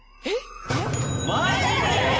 マジで！？